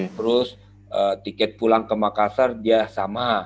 terus tiket pulang ke makassar dia sama